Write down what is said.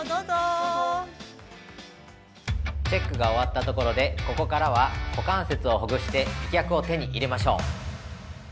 ◆チェックが終わったところで、ここからは、股関節をほぐして美脚を手に入れましょう。